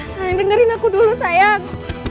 saya dengerin aku dulu sayang